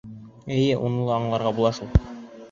Эйе, уны ла аңларға була шул.